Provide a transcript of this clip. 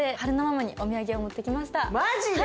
マジで！